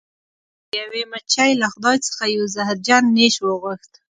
یوې مچۍ له خدای څخه یو زهرجن نیش وغوښت.